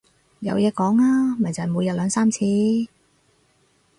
有講嘢啊，咪就係每日兩三次